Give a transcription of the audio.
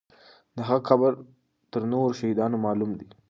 د هغې قبر تر نورو شهیدانو معلوم دی.